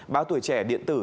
báo tuổi trẻ điện tử